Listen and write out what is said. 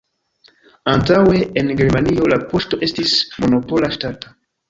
Antaŭe en Germanio la poŝto estis monopola, ŝtata.